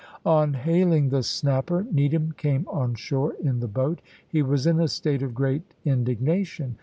On hailing the Snapper, Needham came on shore in the boat. He was in a state of great indignation.